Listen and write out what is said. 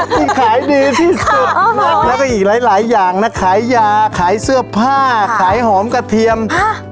ที่ขายดีที่สุดแล้วก็อีกหลายอย่างนะขายยาขายเสื้อผ้าขายหอมกระเทียม